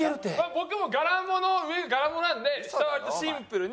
僕も柄物上柄物なんで下はシンプルに。